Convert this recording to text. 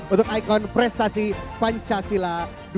untuk icon prestasi pancasila dua ribu dua puluh tiga